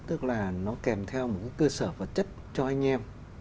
tức là nó kèm theo một cái cơ sở vật chất cho anh em